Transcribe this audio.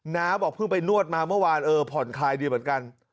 น้าบอกเพิ่งไปนวดมาเมื่อวานเออผ่อนคลายดีเหมือนกัน